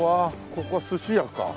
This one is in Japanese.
ここはすし屋か。